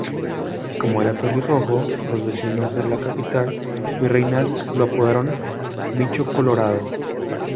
Como era pelirrojo los vecinos de la capital virreinal lo apodaron "Bicho Colorado".